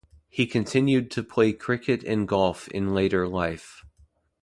He continued to play cricket and golf in later life.